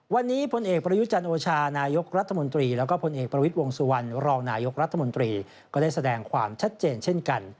วันนี้พลเอกประยุจันโอชานายกรัฐมนตรีแล้วก็พลเอกประวิทย์วงสุวรรณรองนายกรัฐมนตรีก็ได้แสดงความชัดเจนเช่นกัน